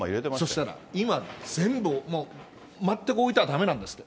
そうしたら、今ね、全部、全く置いたらだめなんですって。